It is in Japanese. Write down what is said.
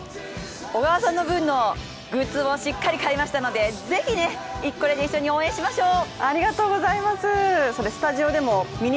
小川さんの分のグッズもしっかり買いましたので、ぜひ、これで一緒に応援しましょう！